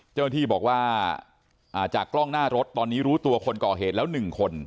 เจ้าหน้าที่บอกว่าจากกล้องหน้ารถตอนนี้รู้ตัวคนก่อเหตุแล้ว๑คน